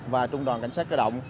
và trung đoàn cảnh sát cơ động